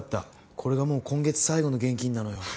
これがもう今月最後の現金なのよ。